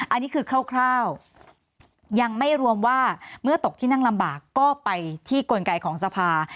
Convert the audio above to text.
อันนี้คือคร่าวยังไม่รวมว่าเมื่อตกที่นั่งลำบากก็ไปที่กลไกของสภา